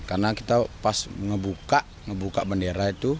karena kita pas ngebuka ngebuka bendera itu